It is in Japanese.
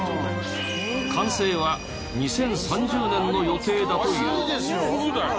完成は２０３０年の予定だという。